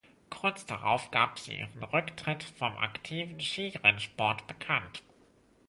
Kurz darauf gab sie ihren Rücktritt vom aktiven Skirennsport bekannt.